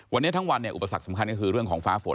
วันทั้งวันอุปสรรคสำคัญคือเรื่องฟ้าฝน